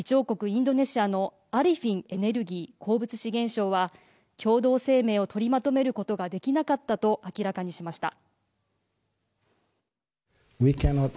インドネシアのアリフィンエネルギー・鉱物資源相は共同声明を取りまとめることができなかったと明らかにしました。